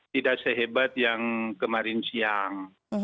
tidak sehebat yang kemarin siang